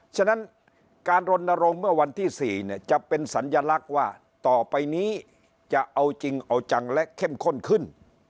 ฉะนั้นการรณรงค์เมื่อวันที่๔จะเป็นสัญลักษณ์ว่าต่อไปนี้จะเอาจริงเอาจังและเข้มข้นขึ้น